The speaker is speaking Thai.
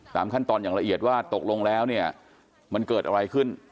ตามขั้นตอนอย่างละเอียดว่าตกลงแล้วเนี่ยมันเกิดอะไรขึ้น